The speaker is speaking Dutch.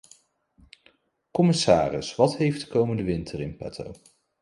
Commissaris, wat heeft de komende winter in petto?